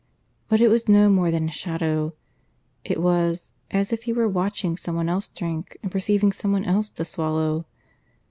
But it was no more than a shadow: it was as if he were watching some one else drink and perceiving some one else to swallow.